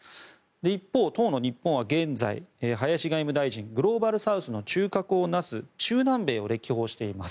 一方、当の日本は現在、林外務大臣グローバルサウスの中核をなす中南米を歴訪しています。